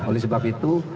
oleh sebab itu